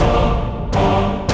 ada apaan sih